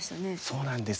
そうなんですよね。